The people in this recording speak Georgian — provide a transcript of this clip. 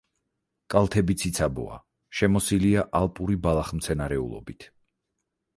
კალთები ციცაბოა, შემოსილია ალპური ბალახმცენარეულობით.